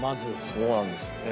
そうなんですって。